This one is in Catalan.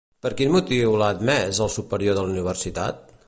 Per quin motiu l'ha admès, el superior de la Universitat?